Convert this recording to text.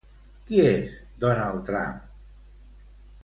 Qui és Donald Trump?